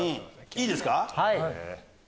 いいですか？